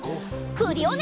クリオネ！